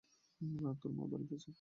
তোর মা বাড়িতে আছে?